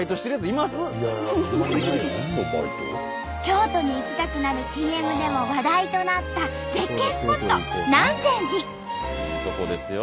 京都に行きたくなるＣＭでも話題となった絶景スポット「南禅寺」。